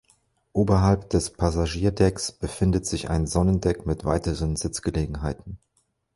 Oberhalb des Passagierdecks befindet sich ein Sonnendeck mit weiteren Sitzgelegenheiten.